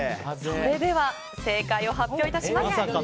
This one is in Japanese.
それでは正解を発表します。